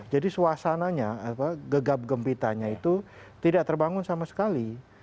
jadi suasananya apa gegap gempitanya itu tidak terbangun sama sekali